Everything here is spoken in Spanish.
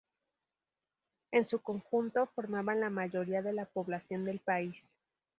En su conjunto, formaban la mayoría de la población del país.